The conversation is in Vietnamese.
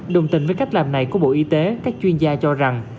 đồng tình với cách làm này của bộ y tế các chuyên gia cho rằng